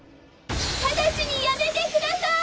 直ちにやめてください！